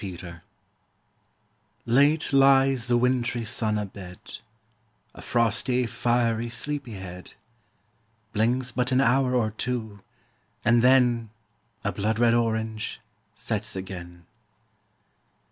WINTER TIME Late lies the wintry sun a bed, A frosty, fiery sleepy head; Blinks but an hour or two; and then, A blood red orange, sets again.